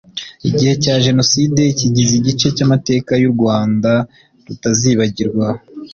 Igihe cya Jenoside kigize igice cy’amateka u Rwanda rutazibagirwa